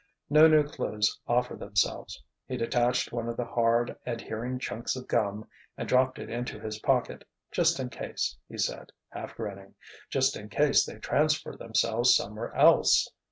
No new clues offered themselves. He detached one of the hard, adhering chunks of gum and dropped it into his pocket, "just in case," he said, half grinning, "just in case they transfer themselves somewhere else.